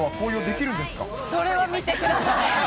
それは見てください。